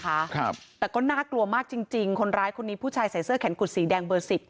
ครับแต่ก็น่ากลัวมากจริงจริงคนร้ายคนนี้ผู้ชายใส่เสื้อแขนกุดสีแดงเบอร์สิบ